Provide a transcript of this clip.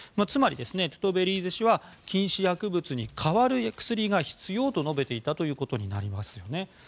つまり、トゥトベリーゼ氏は禁止薬物に代わる薬が必要と述べていたということになりますね。